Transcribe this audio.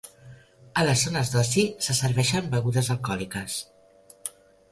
A les zones d'oci se serveixen begudes alcohòliques.